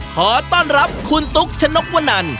ขอต้อนรับคุณตุ๊กชนกวนัน